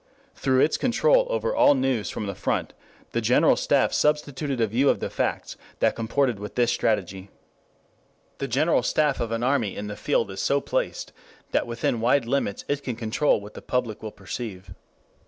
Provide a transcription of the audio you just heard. Through its control over all news from the front, the General Staff substituted a view of the facts that comported with this strategy. The General Staff of an army in the field is so placed that within wide limits it can control what the public will perceive.